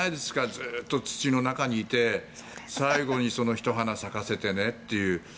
ずっと土の中にいて最後にひと花咲かせてねっていう。